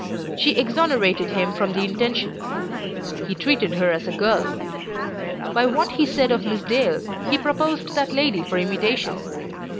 She exonerated him from the intention; he treated her as a girl. By what he said of Miss Dale, he proposed that lady for imitation.